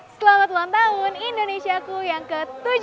selamat ulang tahun indonesia ku yang ke tujuh puluh tujuh